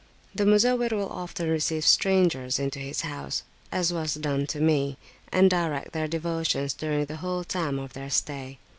The Muzawwir will often receive strangers into his house, as was done to me, and direct their devotions during the whole time of their stay.